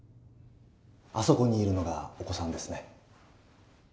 あそこにいるのがお子さんですね？